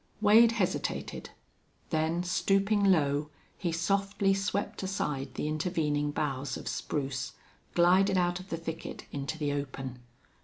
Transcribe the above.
Wade hesitated; then stooping low, he softly swept aside the intervening boughs of spruce, glided out of the thicket into the open.